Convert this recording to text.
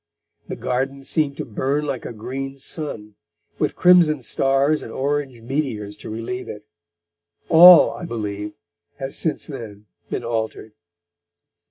The garden seemed to burn like a green sun, with crimson stars and orange meteors to relieve it. All, I believe, has since then been altered.